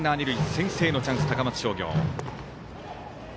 先制のチャンス、高松商業。